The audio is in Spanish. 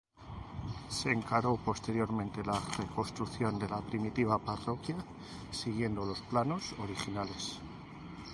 Se encaró posteriormente la reconstrucción de la primitiva parroquia, siguiendo los planos originales.